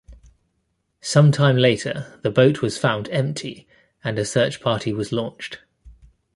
Sometime later, the boat was found empty, and a search party was launched.